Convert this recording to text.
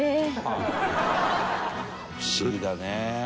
不思議だね。